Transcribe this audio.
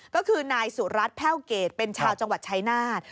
ก็คือนายสุรัตน์แพ่วเกรดเป็นชาวจังหวัดชายนาฏ